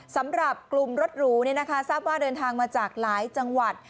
สำหรับกลุ่มรถหรูทราบว่าเดินทางมาจากหลายจังหวัด